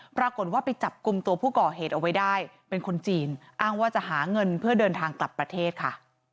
ปรากฏว่าไปจับกลุ่มตัวผู้ก่อเหตุเอาไว้ได้เป็นคนจีนอ้างว่าจะหาเงินเพื่อเดินทางกลับประเทศค่ะ